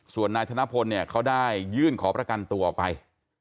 ส่วนนายธนพลเนี่ยเขาได้ยื่นขอประกันตัวออกไป